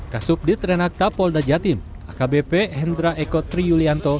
kasub di trenak tapolda jatim akbp hendra eko triyulianto